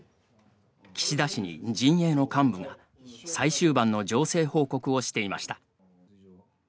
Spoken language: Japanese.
岸田氏に陣営の幹部が最終盤の情勢報告をしていました。